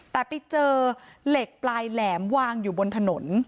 แต่ไปเจอเหล็กปลายแหลมวางอยู่บนถนน